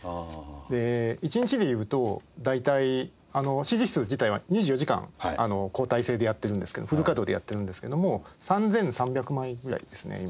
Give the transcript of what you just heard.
で１日でいうと大体ＣＧ室自体は２４時間交代制でやってるんですけどフル稼働でやってるんですけども３３００枚ぐらいですね今。